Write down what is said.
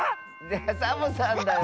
⁉いやサボさんだよ。